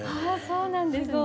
そうなんですね。